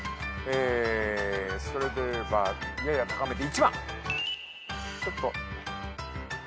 それではやや高めで１番。